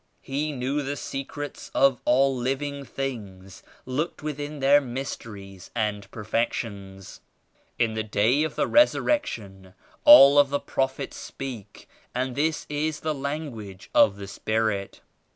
He knew the Secrets of all living things; looked within their mysteries and perfections. In the Day of the Resurrection all the prophets speak and this is the language of the Spirit.